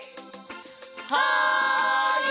はい！